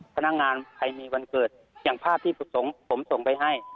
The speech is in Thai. พนักงานใครมีวันเกิดอย่างภาพที่ผมส่งไปให้